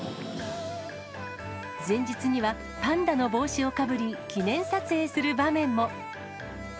前日にはパンダの帽子をかぶり、記念撮影する場面も。